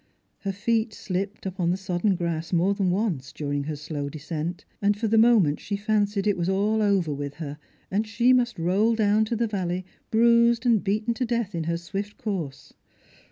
Her feet slipped upon the sodden grass more than once during her slow descent, and for the moment she fancied it was all over with her, and she must roll down to the valley, bruised and beaten to death in her swift course.